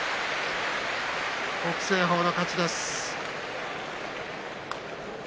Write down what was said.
北青鵬の勝ちです。